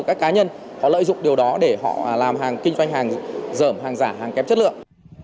các cá nhân họ lợi dụng điều đó để họ làm hàng kinh doanh hàng dởm hàng giả hàng kém chất lượng